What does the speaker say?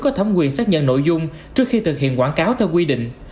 có thẩm quyền xác nhận nội dung trước khi thực hiện quảng cáo theo quy định